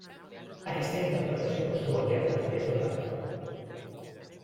Aquesta interpretació es duu a terme a través del telèfon.